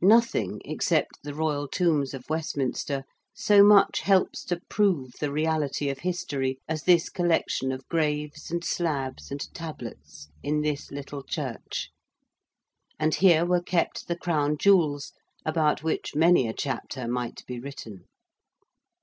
Nothing, except the Royal tombs of Westminster, so much helps to prove the reality of History, as this collection of graves and slabs and tablets in this little church. And here were kept the Crown jewels about which many a chapter might be written.